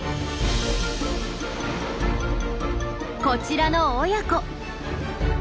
こちらの親子。